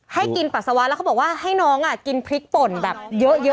ให้กินปัสสาวะแล้วเขาบอกว่าให้น้องกินพริกป่นแบบเยอะ